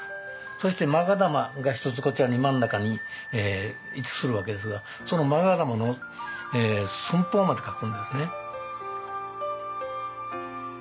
そしてまが玉が１つこちらに真ん中に位置するわけですがそのまが玉の寸法まで書くんですね。